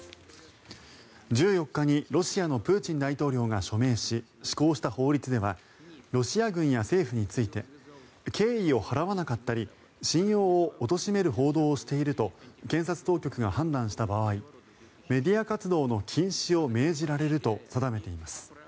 １４日にロシアのプーチン大統領が署名し施行した法律ではロシア軍や政府について敬意を払わなかったり信用をおとしめる報道をしていると検察当局が判断した場合メディア活動の禁止を命じられると定めています。